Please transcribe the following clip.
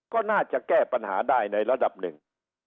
ก็น่าจะแก้ปัญหาได้ในระดับหนึ่ง